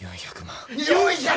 ４００万？